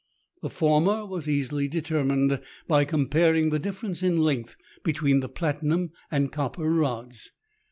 The former was easily determined by comparing the difference in length between the platinum and copper rods.